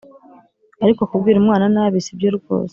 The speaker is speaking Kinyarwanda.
ariko kubwira umwana nabi si byo rwose